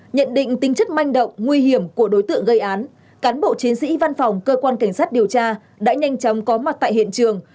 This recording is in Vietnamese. nhận định tính chất manh động nguy hiểm của đối tượng gây án cán bộ chiến sĩ văn phòng cơ quan cảnh sát điều tra đã nhanh chóng có mặt tại hiện trường